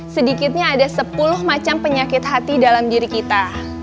sedikitnya ada sepuluh macam penyakit hati dalam diri kita